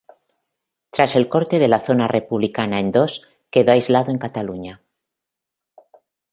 Tras el corte de la zona republicana en dos quedó aislado en Cataluña.